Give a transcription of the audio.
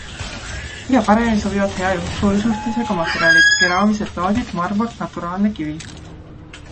Kõige paremini sobivad hea soojusjuhtivusega materjalid - keraamilised plaadid, marmor, naturaalne kivi.